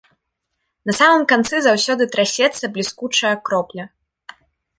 На самым канцы заўсёды трасецца бліскучая кропля.